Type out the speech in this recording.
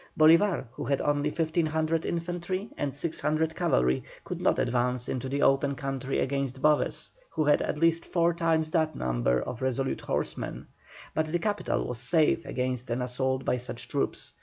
Bolívar, who had only 1,500 infantry and 600 cavalry, could not advance into the open country against Boves, who had at least four times that number of resolute horsemen, but the capital was safe against an assault by such troops.